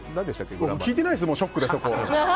そこ聞いてないですショックで。